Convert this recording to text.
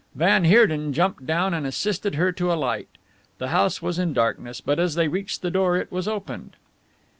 Van Heerden jumped down and assisted her to alight. The house was in darkness, but as they reached the door it was opened.